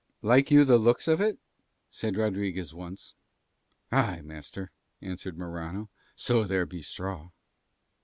"Like you the looks of it?" said Rodriguez once. "Aye, master," answered Morano, "so there be straw."